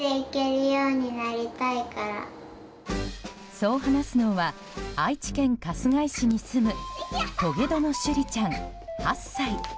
そう話すのは愛知県春日井市に住む遂殿珠里ちゃん、８歳。